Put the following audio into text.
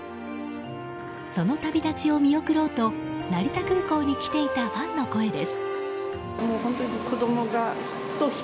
その旅立ちを見送ろうと成田空港に来ていたファンの声です。